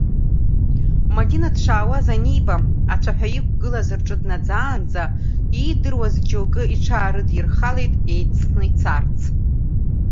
Мадина дшаауаз аниба, ацәаҳәа иқәгылаз рҿы днаӡаанӡа, иидыруаз џьоукы ҽаарыдирхалеит, еицны ицарц.